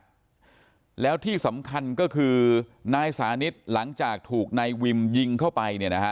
ซ้ายอีกหนึ่งนัดแล้วที่สำคัญก็คือนายสานิทหลังจากถูกในวิมยิงเข้าไปเนี่ยนะคะ